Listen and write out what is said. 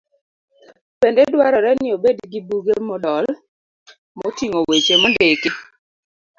Bende dwarore ni obed gi buge modol moting'o weche mondiki.